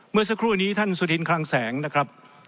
เมื่อสักครู่นี้ท่านสุรินคลังแสงนะครับ